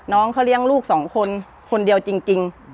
น้องเขาเลี้ยงลูกสองคนคนเดียวจริง